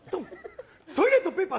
トイレットペーパー